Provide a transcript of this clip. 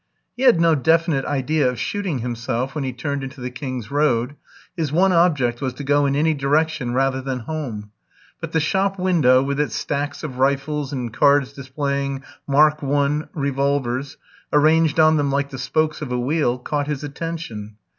He had no definite idea of shooting himself when he turned into the King's Road his one object was to go in any direction rather than home; but the shop window, with its stacks of rifles and cards displaying "Mark I." revolvers, arranged on them like the spokes of a wheel, caught his attention.